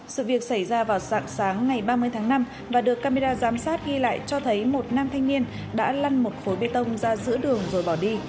sự việc xảy ra vào sáng sáng ngày ba mươi tháng năm và được camera giám sát ghi lại cho thấy một nam thanh niên đã lăn một khối bê tông ra giữa đường rồi bỏ đi